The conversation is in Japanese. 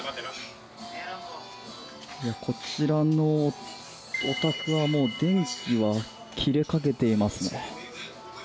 こちらのお宅はもう電気は切れかけていますね。